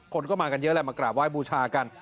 คนก็มากันเยอะแหละมากราบไห้บูชากัน